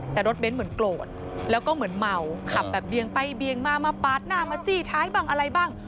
แต่รถเบ้นเหมือนโกรธแล้วก็เหมือนเมาขับแบบเบียงไปเบียงมามาปาดหน้ามาจี้ท้ายบ้างอะไรบ้าง